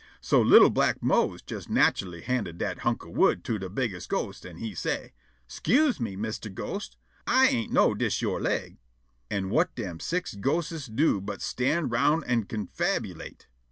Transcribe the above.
So li'l' black Mose jes natchully handed dat hunk of wood to dat bigges' ghost, an' he say': "'Scuse me, Mistah Ghost; Ah ain't know dis your leg." An' whut dem six ghostes do but stand round an' confabulate?